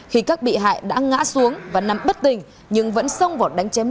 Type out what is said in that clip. khi các bị hại đã ngã xuống và nằm bất tình nhưng vẫn sông vỏ đánh chém